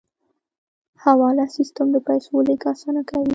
حواله سیستم د پیسو لیږد اسانه کوي